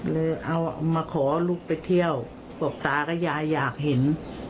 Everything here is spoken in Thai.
เลยเอามาขอลูกไปเที่ยวบอกตากับยายอยากเห็น